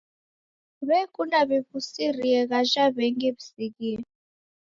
W'ekunda w'iw'usirie ghaja w'engi w'isighie.